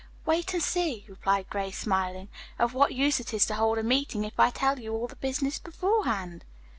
"Wait and see," replied Grace, smiling. "Of what use is it to hold a meeting, if I tell you all the business beforehand?"